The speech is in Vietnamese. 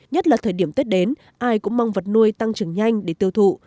nhất là thời điểm tết đến ai cũng mong vật nuôi tăng trưởng nhanh để tiêu thụ